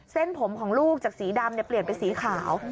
เส้นผมของลูกจากสีดำเปลี่ยนเป็นสีขาว